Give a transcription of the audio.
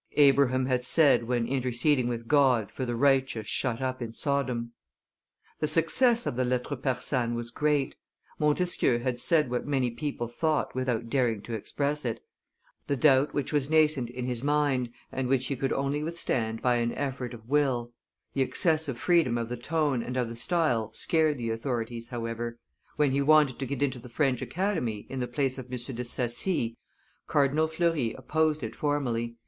Abraham had said when interceding with God for the righteous shut up in Sodom. The success of the Lettres persanes was great; Montesquieu had said what many people thought without daring to express it; the doubt which was nascent in his mind, and which he could only withstand by an effort of will, the excessive freedom of the tone and of the style scared the authorities, however; when he wanted to get into the French Academy, in the place of M. de Sacy, Cardinal Fleury opposed it formally.